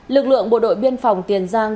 lực lượng bộ đội biên phòng tiền giang